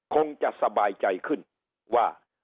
คงจะสบายใจขึ้นว่า